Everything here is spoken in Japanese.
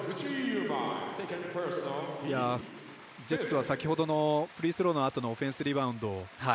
ジェッツは先ほどのフリースローのあとのオフェンスリバウンド